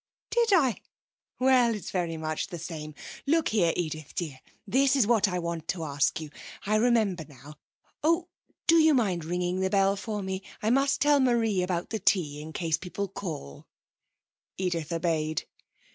'Did I? Well, it's very much the same. Look here, Edith dear. This is what I want to ask you. I remember now. Oh, do you mind ringing the bell for me? I must tell Marie about the tea, in case people call.' Edith obeyed.